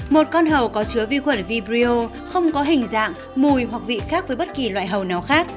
một con hầu có chứa vi khuẩn vibrio không có hình dạng mùi hoặc vị khác với bất kỳ loại hầu nào khác